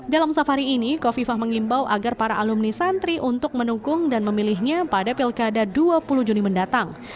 dalam safari ini kofifah mengimbau agar para alumni santri untuk mendukung dan memilihnya pada pilkada dua puluh juni mendatang